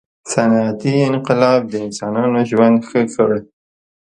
• صنعتي انقلاب د انسانانو ژوند ښه کړ.